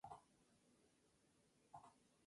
Solamente llevará un depósito de hidrógeno.